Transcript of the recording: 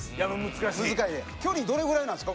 難しい距離どれぐらいなんですか？